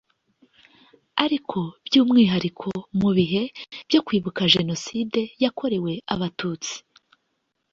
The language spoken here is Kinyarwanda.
ariko by’umwihariko mu bihe byo kwibuka Jenoside yakorewe Abatutsi